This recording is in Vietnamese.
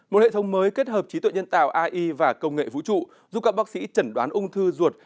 một hệ thống mới kết hợp trí tuệ nhân tạo ai và công nghệ vũ trụ giúp các bác sĩ chẩn đoán ung thư ruột